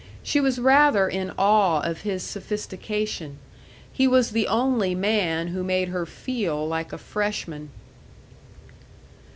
She was rather in awe of his sophistication. He was the only man who made her feel like a Freshman.